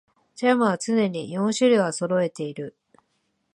ジャムは常に四種類はそろえている